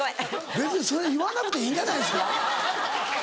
別にそれ言わなくていいんじゃないですか。